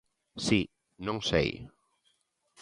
Si, non sei.